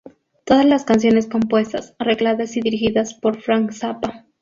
Todas las canciones compuestas, arregladas y dirigidas por Frank Zappa.